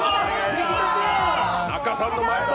仲さんの前だ！